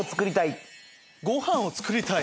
ご飯を作りたい？